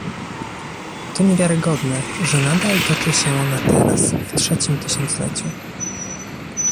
To niewiarygodne, że nadal toczy się ona teraz, w trzecim tysiącleciu